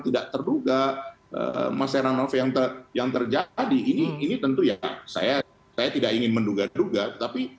tidak terduga mas heranov yang terjadi ini ini tentu ya saya saya tidak ingin menduga duga tetapi